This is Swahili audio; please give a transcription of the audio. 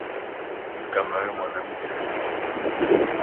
sijui kama we mwanamke hapa uganda